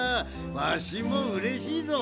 わしもうれしいぞ。